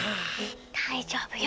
大丈夫よ。